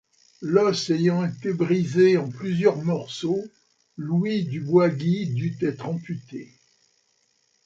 L'os ayant été brisé en plusieurs morceaux, Louis du Boisguy dut être amputé.